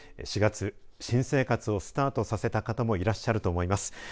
４月、新生活をスタートさせた方もいらっしゃると思います。